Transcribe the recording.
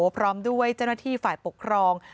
พร้อมด้วยเจ้าหน้าที่ฝ่ายปกครอง